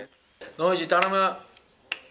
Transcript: ノイジー、頼む。